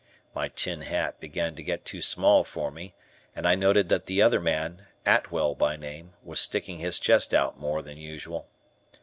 My tin hat began to get too small for me, and I noted that the other man, Atwell, by name, was sticking his chest out more than usual.